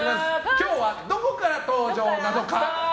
今日はどこから登場なのか。